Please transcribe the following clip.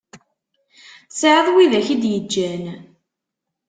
Tesεiḍ widak i d yeǧǧan